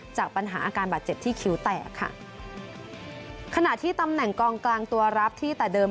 จากปัญหาอาการบาดเจ็บที่คิ้วแตกค่ะขณะที่ตำแหน่งกองกลางตัวรับที่แต่เดิม